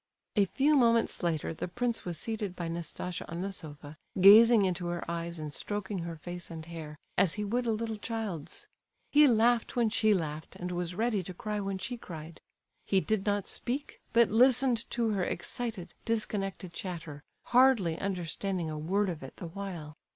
A few moments later, the prince was seated by Nastasia on the sofa, gazing into her eyes and stroking her face and hair, as he would a little child's. He laughed when she laughed, and was ready to cry when she cried. He did not speak, but listened to her excited, disconnected chatter, hardly understanding a word of it the while.